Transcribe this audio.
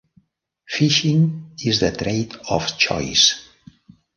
"Fishing is the trade of choice".